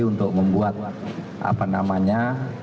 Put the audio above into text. untuk membuat apa namanya